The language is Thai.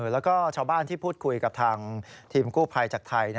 แล้วก็ชาวบ้านที่พูดคุยกับทางทีมกู้ภัยจากไทย